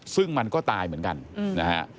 ซึ่งมันก็ตายเหมือนกันนะฮะ